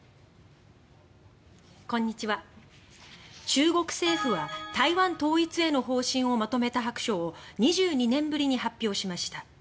中国政府は台湾統一への方針をまとめた白書を２２年ぶりに発表しました。